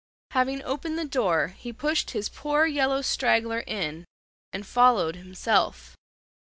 Having opened the door, he pushed his poor yellow straggler in and followed himself.